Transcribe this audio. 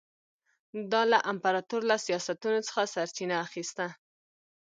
دا له امپراتور له سیاستونو څخه سرچینه اخیسته.